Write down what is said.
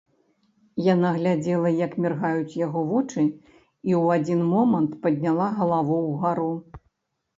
Яна глядзела, як міргаюць яго вочы, і ў адзін момант падняла галаву ўгару.